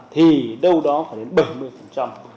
thì đâu đó phải đến bảy mươi